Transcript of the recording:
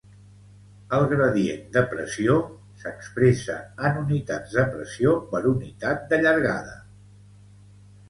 El gradient de pressió s'expressa en unitats de pressió per unitat de llargada.